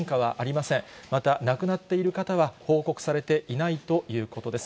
また亡くなっている方は報告されていないということです。